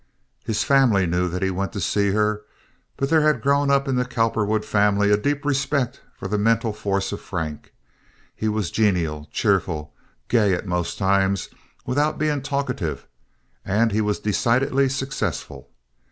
His family knew that he went to see her, but there had grown up in the Cowperwood family a deep respect for the mental force of Frank. He was genial, cheerful, gay at most times, without being talkative, and he was decidedly successful.